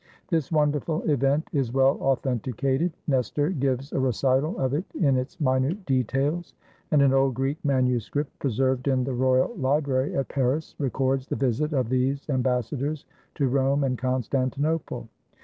This wonderful event is well authenticated; Nestor gives a recital of it in its minute details; and an old Greek manuscript, preserved in the royal library at Paris, re cords the visit of these ambassadors to Rome and Con stantinople.